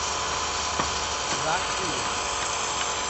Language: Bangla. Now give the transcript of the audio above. রাগ কইরেন না।